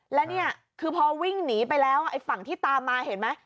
แล้วนี่คือพอวิ่งหนีไปแล้วไอ้ฝั่งที่ตามมาเห็นไหม